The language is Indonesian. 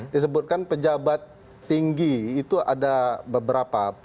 disebutkan pejabat tinggi itu ada beberapa